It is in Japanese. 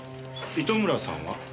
糸村さんは？